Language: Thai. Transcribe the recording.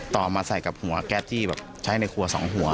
ต่อมาใส่กับหัวแก๊สที่ใช้ในครัว๒หัว